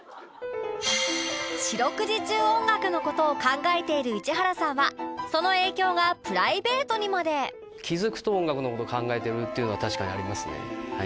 四六時中音楽の事を考えている市原さんはその影響がプライベートにまでっていうのは確かにありますね。